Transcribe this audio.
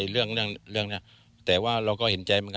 เรื่องนี้แต่เดี๋ยวกันเราก็เห็นใจ